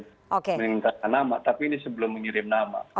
menyampaikan nama tapi ini sebelum menyirim nama